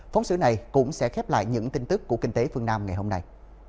phóng sự này cũng sẽ khép lại những tin tức của kinh tế phương nam ngày hôm nay